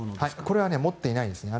これは持っていないんです。